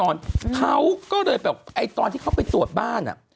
คุณหนุ่มกัญชัยได้เล่าใหญ่ใจความไปสักส่วนใหญ่แล้ว